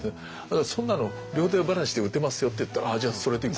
「そんなの両手離しで撃てますよ」って言ったら「じゃあそれでいこう」。